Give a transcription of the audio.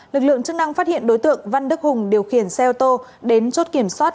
lực lượng chức năng phát hiện đối tượng văn đức hùng điều khiển xe ô tô đến chốt kiểm soát